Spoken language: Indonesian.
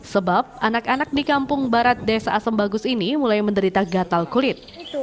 sebab anak anak di kampung barat desa asem bagus ini mulai menderita gatal kulit